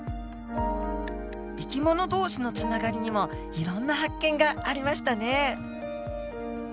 生き物同士のつながりにもいろんな発見がありましたね。